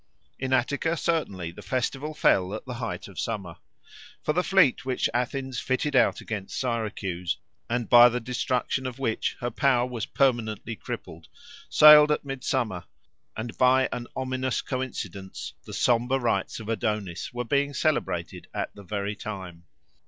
In Attica, certainly, the festival fell at the height of summer. For the fleet which Athens fitted out against Syracuse, and by the destruction of which her power was permanently crippled, sailed at midsummer, and by an ominous coincidence the sombre rites of Adonis were being celebrated at the very time.